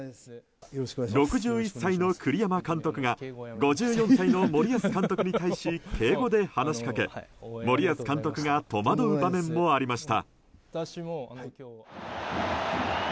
６１歳の栗山監督が５４歳の森保監督に対し敬語で話しかけ、森保監督が戸惑う場面もありました。